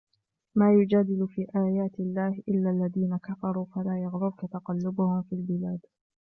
ما يجادل في آيات الله إلا الذين كفروا فلا يغررك تقلبهم في البلاد